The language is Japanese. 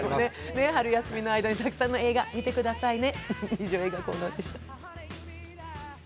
春休みの間にたくさんの映画見てくださいね。